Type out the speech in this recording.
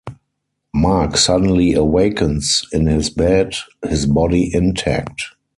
Mark suddenly awakens in his bed, his body intact.